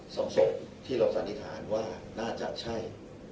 ศพที่เราสันนิษฐานว่าน่าจะใช่